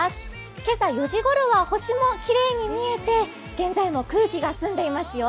今朝、４時頃は星もきれいに見えて現在も空気が澄んでいますよ。